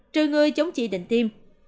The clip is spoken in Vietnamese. trừ người chống trị định tiêm